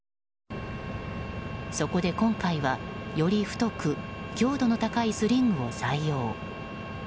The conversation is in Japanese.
そこで今回はより太く、強度の高いスリングを採用。